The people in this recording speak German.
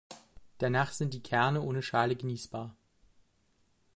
Danach sind die Kerne ohne Schale genießbar.